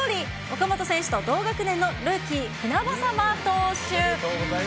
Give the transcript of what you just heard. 岡本選手と同学年のルーキー、船迫投手。